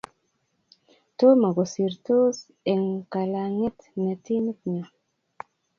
tomo kosirtos eng' kalang'et ni timit nyo